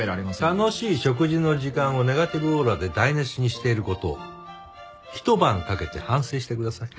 楽しい食事の時間をネガティブオーラで台無しにしている事を一晩かけて反省してください。